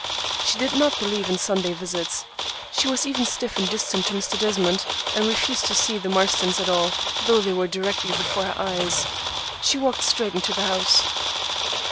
She did not believe in Sunday visits. She was even stiff and distant to Mr. Desmond, and refused to see the Marstons at all, though they were directly before her eyes. She walked straight into the house.